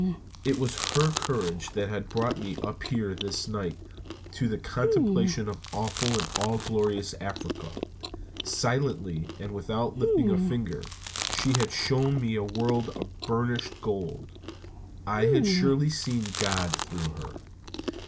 It was her courage that had brought me up here this night to the contemplation of awful and all glorious Africa. Silently and without lifting a finger, she had shown me a world of burnished gold. I had surely seen God through her.